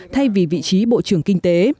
thay vì vị trí bộ trưởng kinh tế